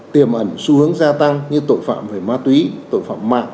tiềm ẩn xu hướng gia tăng như tội phạm về ma túy tội phạm mạng